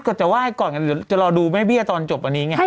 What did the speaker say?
ดจะไหว้ก่อนเดี๋ยวจะรอดูแม่เบี้ยตอนจบวันนี้ไง